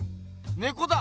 ねこだ！